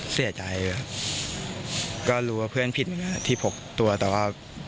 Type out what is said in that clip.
เสียใจครับก็รู้ว่าเพื่อนผิดเหมือนกันที่พกตัวแต่ว่า